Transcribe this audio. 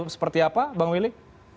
seperti apa bang willy